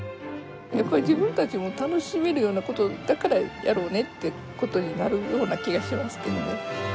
やっぱり自分たちも楽しめるようなことだからやろうねってことになるような気がしますけどね。